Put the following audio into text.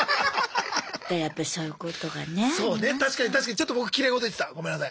ちょっと僕きれい事言ってたごめんなさい。